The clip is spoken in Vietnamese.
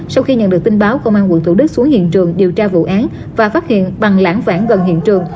sau khi nhận được tin báo công an tp hcm xuống hiện trường điều tra vụ án và phát hiện bằng lãng phản gần hiện trường